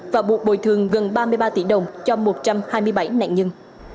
và buộc bồi thường gần ba mươi ba tỷ đồng cho một trăm hai mươi bảy nạn nhân